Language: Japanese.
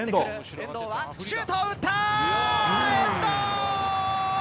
遠藤、シュートを打った！